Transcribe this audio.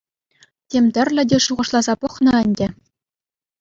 Тем тӗрлӗ те шухӑшласа пӑхнӑ ӗнтӗ.